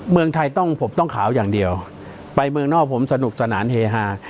เมืองไทยต้องผมต้องขาวอย่างเดียวไปเมืองนอกผมสนุกสนานเฮฮา